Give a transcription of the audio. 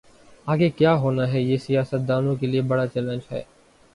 آگے کیا ہوناہے یہ سیاست دانوں کے لئے بڑا چیلنج ہے۔